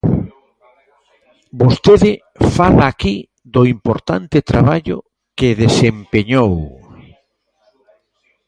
Vostede fala aquí do importante traballo que desempeñou.